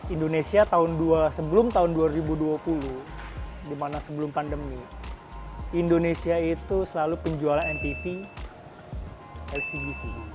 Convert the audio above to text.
indonesia tahun dua ribu dua puluh dimana sebelum pandemi indonesia itu selalu penjualan mpv lcwc